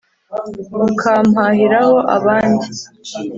ukampahiraho abandi